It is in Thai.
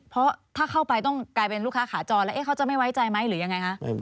เพราะถ้าเข้าไปต้องกลายเป็นลูกค้าขาจรแล้วเขาจะไม่ไว้ใจไหมหรือยังไงคะ